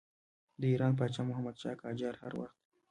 د ایران پاچا محمدشاه قاجار هر وخت.